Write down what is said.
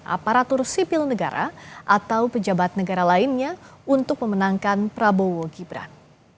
aparatur sipil negara atau pejabat negara lainnya untuk memenangkan prabowo gibran